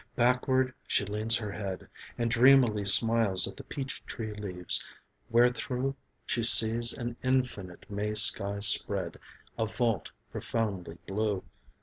Backward she leans her head, And dreamily smiles at the peach tree leaves, wherethrough She sees an infinite May sky spread A vault profoundly blue.